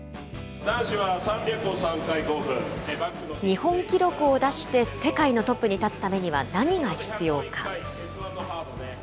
日本記録を出して世界のトップに立つためには、何が必要か。